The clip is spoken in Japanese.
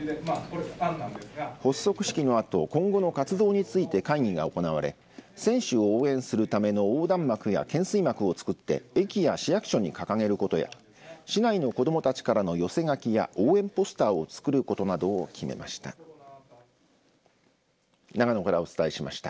発足式のあと今後の活動について会議が行われ選手を応援するための横断幕や懸垂幕を作って駅や市役所に掲げることや市内の子どもたちからの寄せ書きや応援ポスターを作ることなどを決めました。